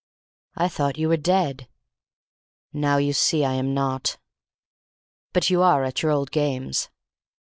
"I thought you were dead." "Now you see I am not." "But you are at your old games!"